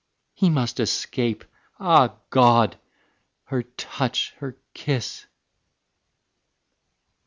He must escape, ah God! her touch, her kiss.